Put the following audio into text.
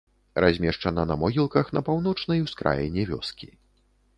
Размешчана на могілках на паўночнай ускраіне вёскі.